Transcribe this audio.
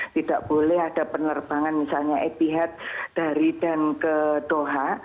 tidak boleh ada penerbangan misalnya epihak dari dan ke doha